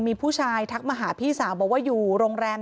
มีเรื่องอะไรมาคุยกันรับได้ทุกอย่าง